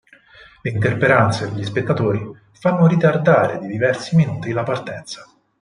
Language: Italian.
Le intemperanze degli spettatori fanno ritardare di diversi minuti la partenza.